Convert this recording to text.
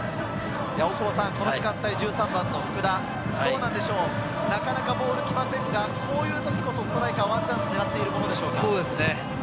この時間帯、１３番の福田、なかなかボールがきませんが、こういう時こそ、ストライカーはワンチャンスを狙っている時ですが。